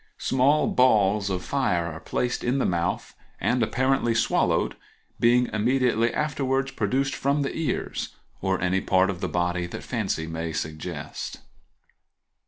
Small balls of fire are placed in the mouth and, apparently, swallowed, being immediately afterwards produced from the ears, or any part of the body that fancy may suggest.